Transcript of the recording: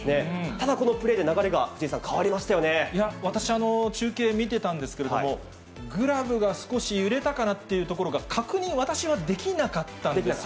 ただこのプレーで流れが藤井さん、私、中継見てたんですけれども、グラブが少し揺れたかなっていうところが、確認、私はできなかったんですよ。